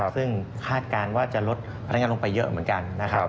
ซึ่งคาดการณ์ว่าจะลดพนักงานลงไปเยอะเหมือนกันนะครับ